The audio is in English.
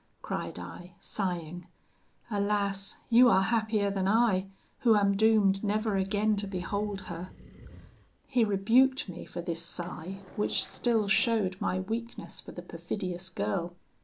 cried I, sighing. 'Alas! you are happier than I, who am doomed never again to behold her.' He rebuked me for this sigh, which still showed my weakness for the perfidious girl.